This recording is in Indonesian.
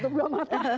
tutup dua mata